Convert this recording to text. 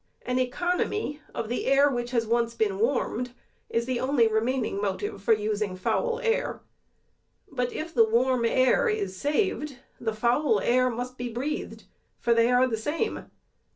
An economy of the air, which has once been warmed, is the only remaining motive for using foul air. But if the warm air is saved, the foul air must be breathed ; for they are the same.